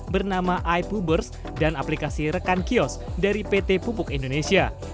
bernama ipubers dan aplikasi rekan kiosk dari pt pupuk indonesia